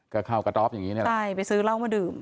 ก็เข้ากระต๊อบอย่างนี้นี่แหละใช่ไปซื้อเหล้ามาดื่ม